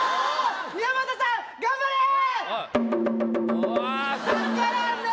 宮本さん頑張れー！